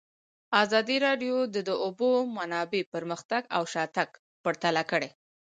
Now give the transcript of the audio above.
ازادي راډیو د د اوبو منابع پرمختګ او شاتګ پرتله کړی.